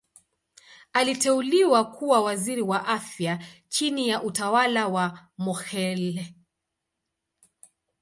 Aliteuliwa kuwa Waziri wa Afya chini ya utawala wa Mokhehle.